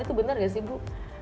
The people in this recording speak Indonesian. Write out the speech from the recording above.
itu benar gak sih bu